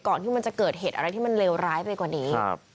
ที่มันจะเกิดเหตุอะไรที่มันเลวร้ายไปกว่านี้